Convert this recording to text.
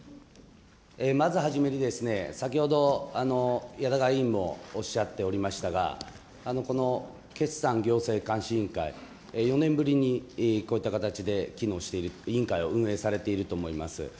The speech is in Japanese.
まずはじめに、先ほど谷田川委員もおっしゃっておりましたが、この決算行政監視委員会、４年ぶりにこういった形で機能している、委員会を運営されていると思います。